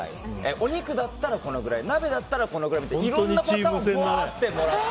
お肉だったらこのくらい鍋だったらこのくらいっていろんなパターンを。